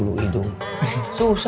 nggak ada apa apa